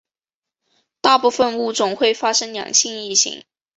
大部份物种会发生两性异形。